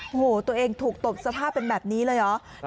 โอ้โหตัวเองถูกตบสภาพเป็นแบบนี้เลยเหรอ